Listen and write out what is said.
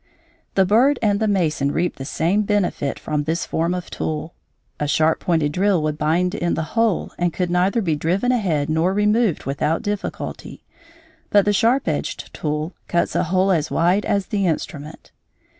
The bird and the mason reap the same benefit from this form of tool. A sharp pointed drill would bind in the hole and could neither be driven ahead nor removed without difficulty, but the sharp edged tool cuts a hole as wide as the instrument.